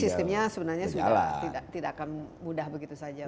jadi sistemnya sebenarnya sudah tidak akan mudah begitu saja